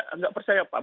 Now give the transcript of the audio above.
tidak percaya pak